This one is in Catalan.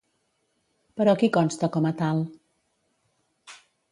Però qui consta com a tal?